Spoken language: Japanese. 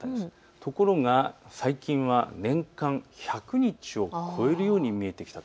ところが最近は年間１００日を超えるように、見えてきたと。